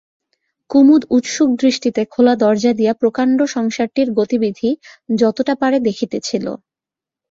কুমুদ উৎসুকদৃষ্টিতে খোলা দরজা দিয়া প্রকান্ড সংসারটির গতিবিধি যতটা পারে দেখিতেছিল।